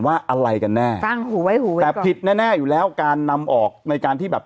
ว่าอะไรกันแน่ตั้งหูไว้หูแต่ผิดแน่แน่อยู่แล้วการนำออกในการที่แบบ